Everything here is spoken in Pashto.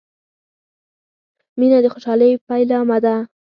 • مینه د خوشحالۍ پیلامه ده.